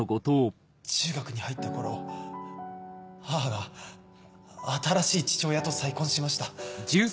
中学に入った頃母が新しい父親と再婚しました。